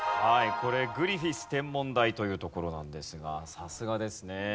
これグリフィス天文台という所なんですがさすがですね。